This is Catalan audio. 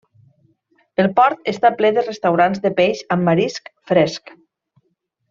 El port està ple de restaurants de peix amb marisc fresc.